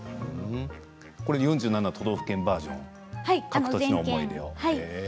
４７都道府県バージョン各都市のですね。